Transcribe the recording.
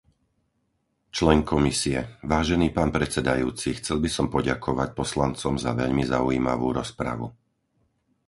člen Komisie. - Vážený pán predsedajúci, chcel by som poďakovať poslancom za veľmi zaujímavú rozpravu.